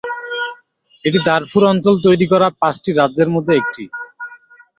এটি দারফুর অঞ্চল তৈরী করা পাঁচটি রাজ্যের মধ্যে একটি।